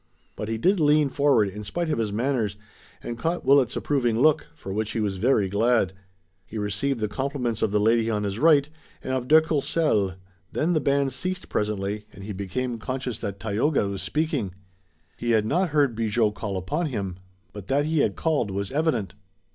But he did lean forward, in spite of his manners, and caught Willet's approving look, for which he was very glad. He received the compliments of the lady on his right and of de Courcelles, then the band ceased presently and he became conscious that Tayoga was speaking. He had not heard Bigot call upon him, but that he had called was evident.